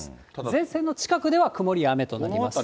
前線の近くでは曇りや雨となります。